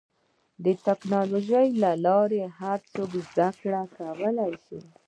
د ټکنالوجۍ له لارې هر څوک زدهکړه کولی شي.